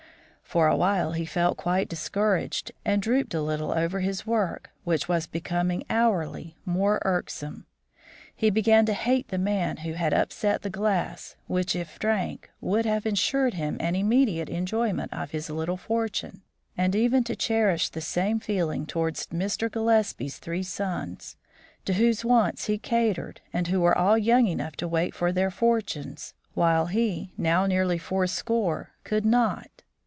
For a while he felt quite discouraged, and drooped a little over his work, which was becoming hourly more irksome. He began to hate the man who had upset the glass which, if drank, would have insured him an immediate enjoyment of his little fortune; and even to cherish the same feeling towards Mr. Gillespie's three sons, to whose wants he catered and who were all young enough to wait for their fortunes, while he, now nearly four score, could not.